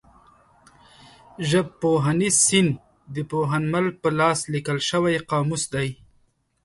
ژبپوهنیز سیند د پوهنمل په لاس لیکل شوی قاموس دی.